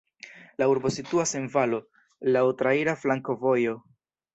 La urbo situas en valo, laŭ traira flankovojo.